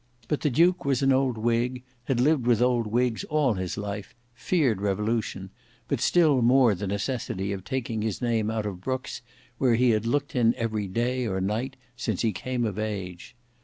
But the duke was an old whig, had lived with old whigs all his life, feared revolution, but still more the necessity of taking his name out of Brookes', where he had looked in every day or night since he came of age.